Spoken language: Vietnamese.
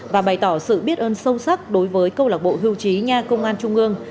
và bày tỏ sự biết ơn sâu sắc đối với câu lạc bộ hưu trí nha công an trung ương